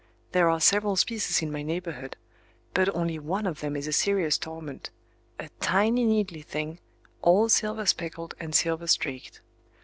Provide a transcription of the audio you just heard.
There are several species in my neighborhood; but only one of them is a serious torment,—a tiny needly thing, all silver speckled and silver streaked.